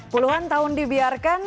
puluhan tahun dibiarkan